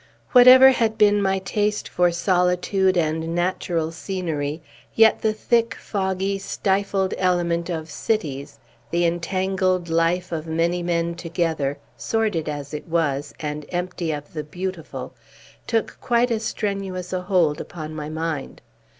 Whatever had been my taste for solitude and natural scenery, yet the thick, foggy, stifled element of cities, the entangled life of many men together, sordid as it was, and empty of the beautiful, took quite as strenuous a hold upon my mind.